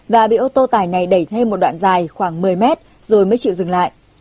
và bị ô tô tải này đẩy thêm một đoạn dài khoảng một mươi mét rồi mới chịu dừng lại